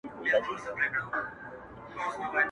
زما د زړه د كـور ډېـوې خلگ خبــري كوي.